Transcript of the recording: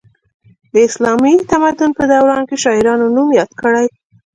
د اسلامي تمدن په دوران کې شاعرانو نوم یاد کړی.